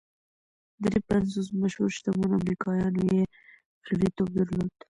درې پنځوس مشهورو شتمنو امریکایانو یې غړیتوب درلود